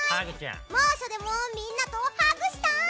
猛暑でもみんなとハグしたい！